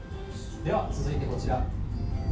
では続いてこちら。